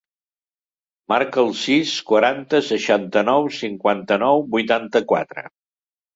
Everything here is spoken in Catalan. Marca el sis, quaranta, seixanta-nou, cinquanta-nou, vuitanta-quatre.